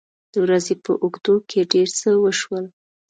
د ورځې په اوږدو کې ډېر څه وشول.